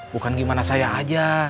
bukan gimana saya aja